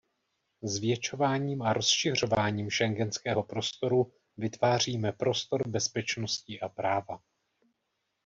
Zvětšováním a rozšiřováním schengenského prostoru vytváříme prostor bezpečnosti a práva.